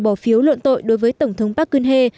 bỏ phiếu luận tội đối với tổng thống park geun hye